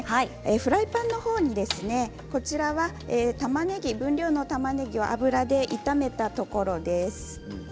フライパンに分量のたまねぎを油で炒めたところです。